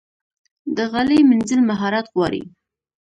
د غالۍ مینځل مهارت غواړي.